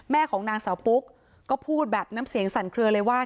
ของนางสาวปุ๊กก็พูดแบบน้ำเสียงสั่นเคลือเลยว่า